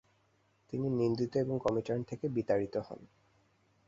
তিনি নিন্দিত ও কমিন্টার্ন থেকে বিতাড়িত হন।